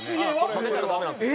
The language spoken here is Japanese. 曲げたらダメなんですよ。